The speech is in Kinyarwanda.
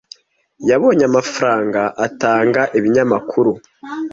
Yabonye amafaranga atanga ibinyamakuru.